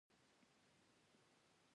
له هر چا د ريښتيا ويلو تمه مکوئ